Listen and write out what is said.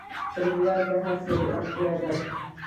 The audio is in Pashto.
رومیان د هر سړی اړتیا ده